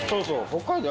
北海道